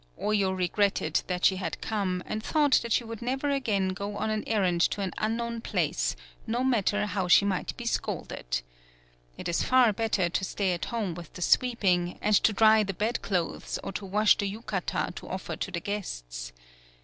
Oyo re gretted that she had come, and thought that she would never again go on an errand to an unknown place, no matter how she might be scolded. It is far bet ter to stay at home with the sweeping, and to dry the bed clothes or to wash the Yukata to offer to the guests.